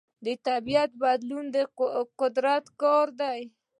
د طبیعت بدلون د قدرت کار دی.